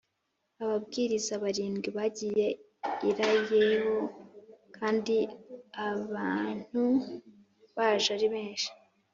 Ababwiriza barindwi bagiye i Reao kandi abantu baje aribenshi